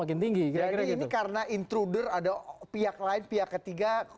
ini karena intruder ada pihak lain pihak ketiga